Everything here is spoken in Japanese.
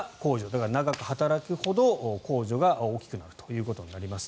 だから長く働くほど控除が大きくなるということになります。